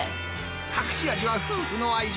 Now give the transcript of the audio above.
隠し味は夫婦の愛情。